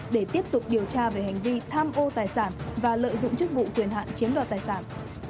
để tiếp tục điều tra về hành vi tham ô tài sản và lợi dụng chức vụ quyền hạn chiếm đoạt tài sản